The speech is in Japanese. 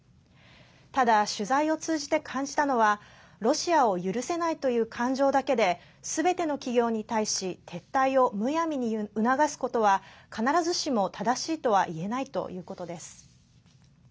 ただ、取材を通じて感じたのはロシアを許せないという感情だけですべての企業に対し撤退をむやみに促すことは必ずしも正しいとは言えないということです。